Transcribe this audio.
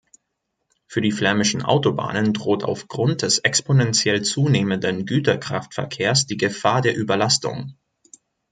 Für die flämischen Autobahnen droht aufgrund des exponentiell zunehmenden Güterkraftverkehrs die Gefahr der Überlastung.